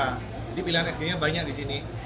jadi pilihan es krimnya banyak di sini